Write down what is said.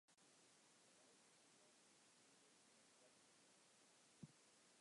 De reis nei Sina driget yn it wetter te fallen.